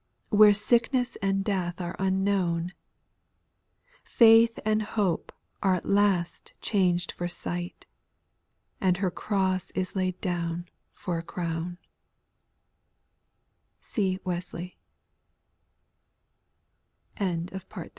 Where sickness and death are unknown, Faith and hope are at last changed for sight, And her cross is laid down for a crown.